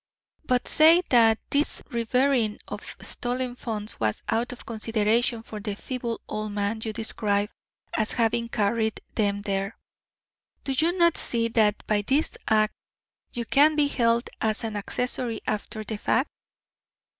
But say that this reburying of stolen funds was out of consideration for the feeble old man you describe as having carried them there, do you not see that by this act you can be held as an accessory after the fact?"